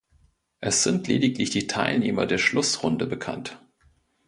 Es sind lediglich die Teilnehmer der Schlussrunde bekannt.